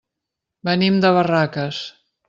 Venim de Barraques.